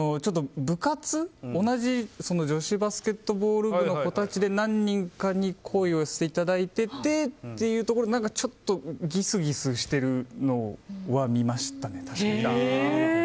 部活、同じ女子バスケットボール部の子たちで何人かに好意を寄せていただいててっていうところでちょっとギスギスしてるのは見ましたね、確かに。